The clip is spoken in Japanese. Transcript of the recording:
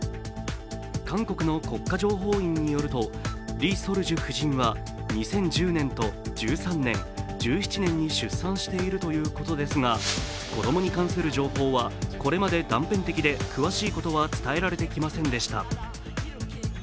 韓国の国家情報院によるとリ・ソルジュ夫人は２０１０年と１３年、１７年に出産しているということですが、子供に関する情報はこれまで断片的で詳しいことは伝えられてきませんでした。